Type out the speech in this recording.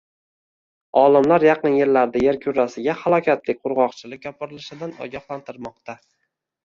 Olimlar yaqin yillarda yer kurrasiga halokatli qurg‘oqchilik yopirilishidan ogohlantirmoqdang